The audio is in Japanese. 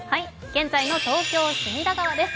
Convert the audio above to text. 現在の東京・隅田川です。